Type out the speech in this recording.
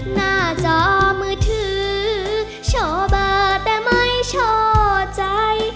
หน้าจอมือถือโชว์เบอร์แต่ไม่ช่อใจ